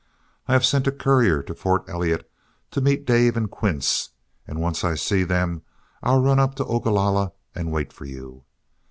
I've sent a courier to Fort Elliott to meet Dave and Quince, and once I see them, I'll run up to Ogalalla and wait for you.